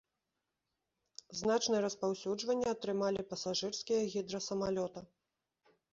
Значнае распаўсюджванне атрымалі пасажырскія гідрасамалёта.